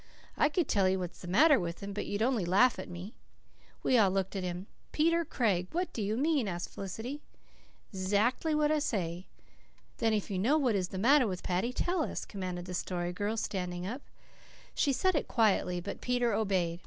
"I could tell you what's the matter with him, but you'd only laugh at me," said Peter. We all looked at him. "Peter Craig, what do you mean?" asked Felicity. "'Zackly what I say." "Then, if you know what is the matter with Paddy, tell us," commanded the Story Girl, standing up. She said it quietly; but Peter obeyed.